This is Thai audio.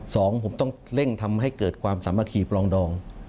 สองผมต้องเร่งทำให้เกิดความสามัคคีปลองดอง